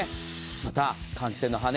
また、換気扇の羽根。